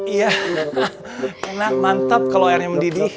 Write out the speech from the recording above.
iya enak mantap kalau airnya mendidih